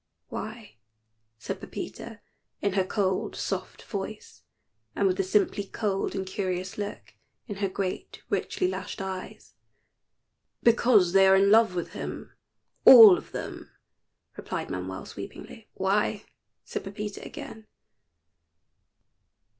"Why?" said Pepita, in her cold, soft voice, and with the simply cold and curious look in her great, richly lashed eyes. "Because they are in love with him all of them," replied Manuel, sweepingly. "Why?" said Pepita, again.